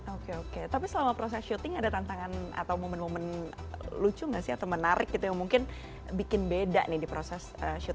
oke oke tapi selama proses syuting ada tantangan atau momen momen lucu gak sih atau menarik gitu yang mungkin bikin beda nih di proses shooting